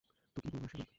তো কী বলবো, আশীর্বাদ?